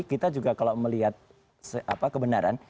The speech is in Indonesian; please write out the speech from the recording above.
kita juga kalau melihat kebenaran